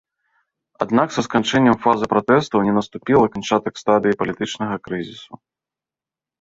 Аднак са сканчэннем фазы пратэстаў не наступіла канчатак стадыі палітычнага крызісу.